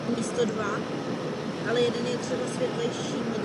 Nacházelo se tu jedno z center židovských jednotek Palmach.